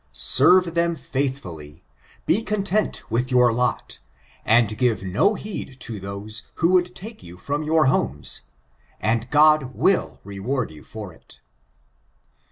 Serve them faithfully, be content with your lot, and give no heed to those who would take you from your homes, and God will reward you for it.